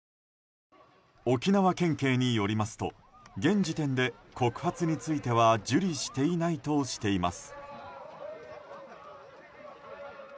沖縄県警によりますと、現時点で告発については受理していないとしています。